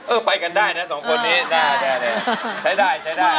เออไปกันได้นะสองคนนี้ใช้ได้มีเพื่อนแล้ว